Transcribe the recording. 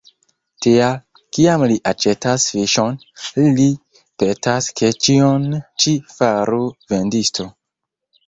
Tial, kiam ili aĉetas fiŝon, ili petas, ke ĉion ĉi faru vendisto.